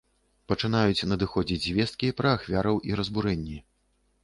Пачынаюць надыходзіць звесткі пра ахвяраў і разбурэнні.